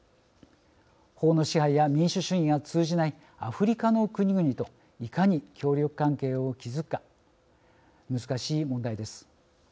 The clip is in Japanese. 法の支配や民主主義が通じないアフリカの国々といかに協力関係を築くか難しい問題です。